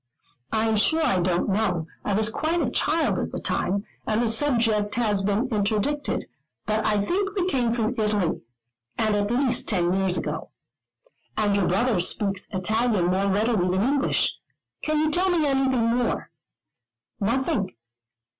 "I am sure I don't know. I was quite a child at the time, and the subject has been interdicted; but I think we came from Italy, and at least ten years ago." "And your brother speaks Italian more readily than English. Can you tell me anything more?" "Nothing.